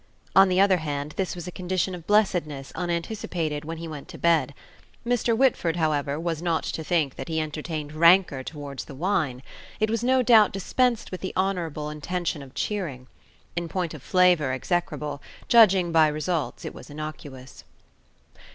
On the other hand, this was a condition of blessedness unanticipated when he went to bed. Mr. Whitford, however, was not to think that he entertained rancour toward the wine. It was no doubt dispensed with the honourable intention of cheering. In point of flavour execrable, judging by results it was innocuous.